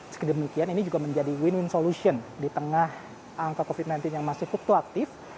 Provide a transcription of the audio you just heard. sekedemikian ini juga menjadi win win solution di tengah angka covid sembilan belas yang masih fluktuatif